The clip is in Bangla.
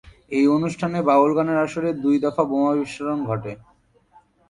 এই অনুষ্ঠানে বাউল গানের আসরে দুই দফা বোমা বিস্ফোরণ ঘটে।